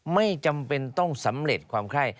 ไม่จำเป็นต้องสำเร็จความไข้